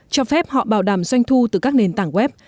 cho phép họ bảo đảm doanh thu từ các nền tảng web